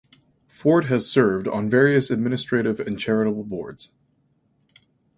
Forde has served on various administrative and charitable boards.